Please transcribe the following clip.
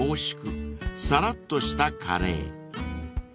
［サラっとしたカレー］